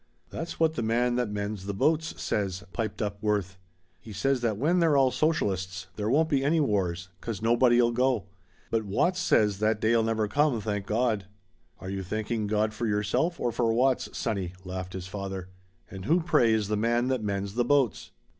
"That's what the man that mends the boats says," piped up Worth. "He says that when they're all socialists there won't be any wars 'cause nobody'll go. But Watts says that day'll never come, thank God." "Are you thanking God for yourself or for Watts, sonny?" laughed his father. "And who, pray, is the man that mends the boats?"